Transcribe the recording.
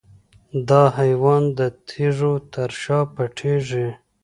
دا حیوان د تیږو تر شا پټیږي.